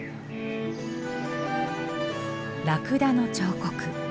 ラクダの彫刻。